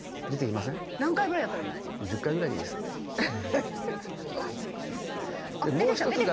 何回ぐらいやったらいいんですか？